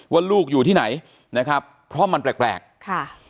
ว่าลูกอยู่ที่ไหนเพราะมันแปลก